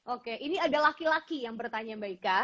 oke ini ada laki laki yang bertanya mbak ika